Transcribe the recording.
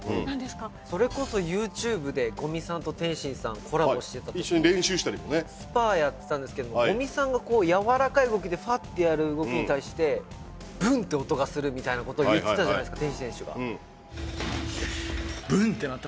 それこそＹｏｕＴｕｂｅで五味さんと天心さんコラボしてたときにスパーやってたんですけど五味さんが柔らかい動きでファッてやる動きに対してブゥンって音がするみたいなこと言ってた天心選手が。